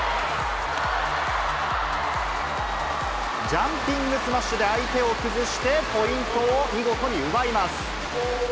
ジャンピングスマッシュで相手を崩して、ポイントを見事に奪います。